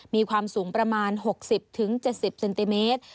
มีความสูงประมาณหกสิบถึงเจ็ดสิบเซนติเมตร